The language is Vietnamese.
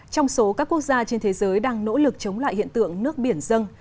trong số các quốc gia trên thế giới đang nỗ lực chống lại hiện tượng nước biển dân